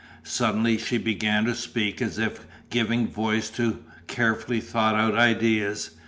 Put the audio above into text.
Suddenly she began to speak as if giving voice to carefully thought out ideas.